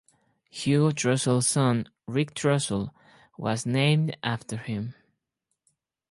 Hugo Throssell's son Ric Throssell was named after him.